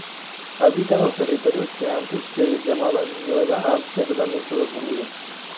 Habita en los territorios que antes se llamaban Nueva Ámsterdam Estados Unidos.